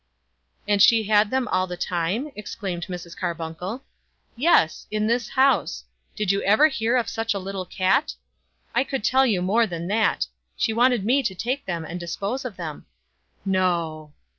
"And she had them all the time?" exclaimed Mrs. Carbuncle. "Yes; in this house! Did you ever hear of such a little cat? I could tell you more than that. She wanted me to take them and dispose of them." "No!"